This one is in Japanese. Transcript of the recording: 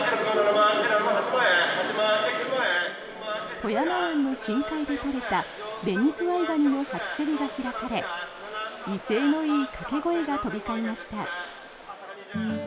富山湾の深海で取れたベニズワイガニの初競りが開かれ威勢のいい掛け声が飛び交いました。